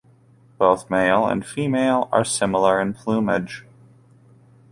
Both the male and female are similar in plumage.